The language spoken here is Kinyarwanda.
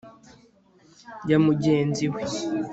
ya mugenzi we